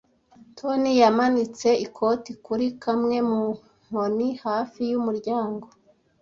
Toni yamanitse ikote kuri kamwe mu nkoni hafi y'umuryango.